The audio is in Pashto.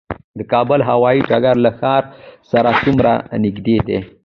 د کابل هوايي ډګر له ښار سره څومره نږدې دی؟